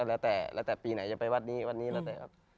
แล้วแต่แล้วแต่ปีไหนจะไปวัดนี้วัดนี้แล้วแต่ครับ